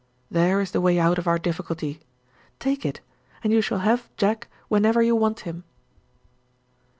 There is the way out of our difficulty. Take it and you shall have Jack whenever you want him."